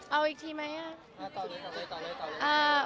เอาอีกทีมั้ยอ่ะ